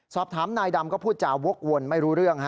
สอบถามนายดำก็พูดจาวกวนไม่รู้เรื่อง